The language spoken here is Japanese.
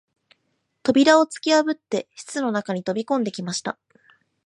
扉をつきやぶって室の中に飛び込んできました